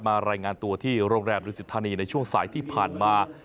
รายงานตัวที่โรงแรมดุสิทธานีในช่วงสายที่ผ่านมา